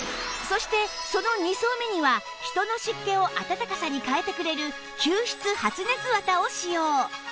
そしてその２層目には人の湿気を暖かさに変えてくれる吸湿発熱綿を使用